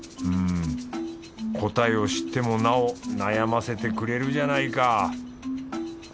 うん答えを知ってもなお悩ませてくれるじゃないか。